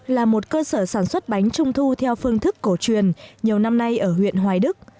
là một cơ sở sản xuất bánh trung thu theo phương thức cổ truyền nhiều năm nay ở huyện hoài đức